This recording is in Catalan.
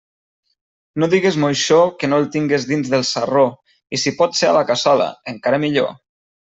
No digues moixó que no el tingues dins del sarró, i si pot ser a la cassola, encara millor.